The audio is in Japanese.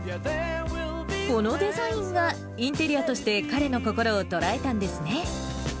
このデザインが、インテリアとして彼の心を捉えたんですね。